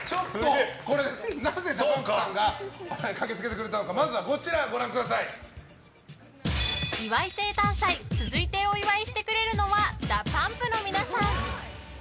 なぜＤＡＰＵＭＰさんが駆けつけてくれたのか岩井生誕祭続いてお祝いしてくれるのはＤＡＰＵＭＰの皆さん！